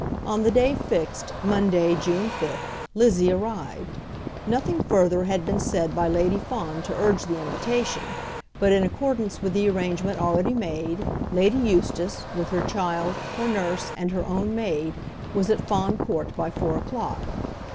On the day fixed, Monday, June 5, Lizzie arrived. Nothing further had been said by Lady Fawn to urge the invitation; but, in accordance with the arrangement already made, Lady Eustace, with her child, her nurse, and her own maid, was at Fawn Court by four o'clock.